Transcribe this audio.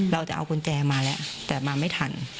เราจะเอากุญแจมาแล้วแต่มาไม่ทัน